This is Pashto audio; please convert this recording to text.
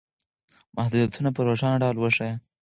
محدودیتونه په روښانه ډول وښایئ.